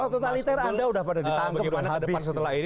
kalau totaliter anda sudah pada ditangkap